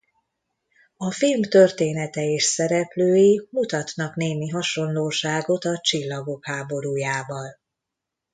A film története és szereplői mutatnak némi hasonlóságot a Csillagok háborújával.